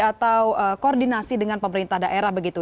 atau koordinasi dengan pemerintah daerah begitu